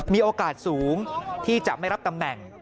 มีโอกาสสูงที่จะไม่รับตำแหน่ง